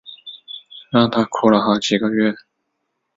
让她哭了好几个月